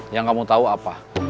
yang kamu tau apa